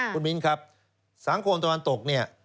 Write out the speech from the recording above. คุณมิ้นครับสังคมตะวันตกเนี่ย